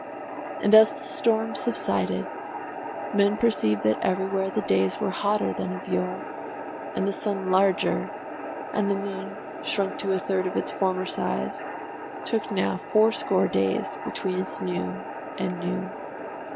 And as the storms subsided men perceived that everywhere the days were hotter than of yore, and the sun larger, and the moon, shrunk to a third of its former size, took now fourscore days between its new and new.